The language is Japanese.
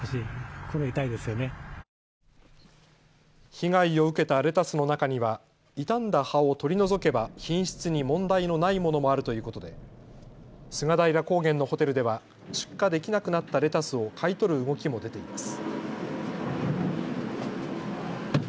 被害を受けたレタスの中には傷んだ葉を取り除けば品質に問題のないものもあるということで菅平高原のホテルでは出荷できなくなったレタスを買い取る動きも出ています。